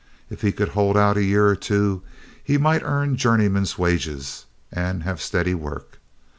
If he could hold out a year or two, he might earn journeyman's wages and have steady work.